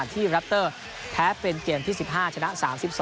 ที่รัปเตอร์แพ้เป็นเกมที่๑๕ชนะ๓๒